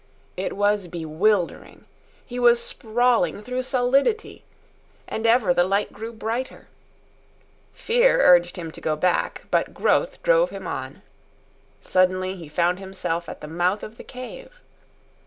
It was bewildering. He was sprawling through solidity. And ever the light grew brighter. Fear urged him to go back, but growth drove him on. Suddenly he found himself at the mouth of the cave.